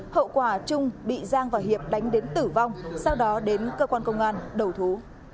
hậu quả trung bị giang và hiệp đánh đến tử vong sau đó đến cơ quan công an đầu thú